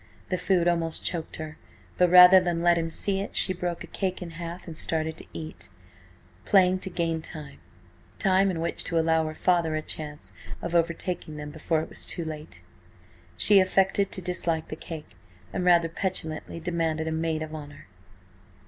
The food almost choked her, but rather than let him see it, she broke a cake in half and started to eat it, playing to gain time: time in which to allow her father a chance of overtaking them before it was too late. She affected to dislike the cake, and rather petulantly demanded a 'maid of honour.'